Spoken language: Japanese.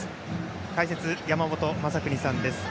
解説、山本昌邦さんです。